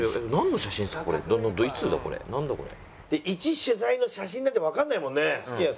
いち取材の写真なんてわかんないもんね。